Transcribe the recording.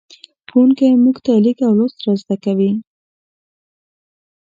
ښوونکی موږ ته لیک او لوست را زدهکوي.